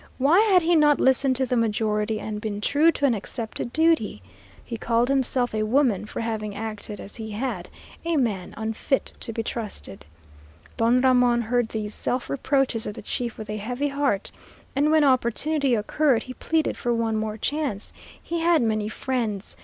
Why had he not listened to the majority and been true to an accepted duty? He called himself a woman for having acted as he had a man unfit to be trusted. Don Ramon heard these self reproaches of the chief with a heavy heart, and when opportunity occurred, he pleaded for one more chance. He had many friends.